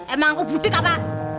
emang aku budeg apa